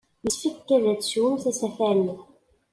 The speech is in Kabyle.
Yessefk ad teswemt asafar-nni!